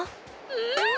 うん！